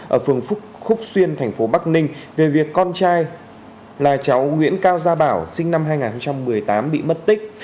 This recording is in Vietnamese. ở phường phúc xuyên thành phố bắc ninh về việc con trai là cháu nguyễn cao gia bảo sinh năm hai nghìn một mươi tám bị mất tích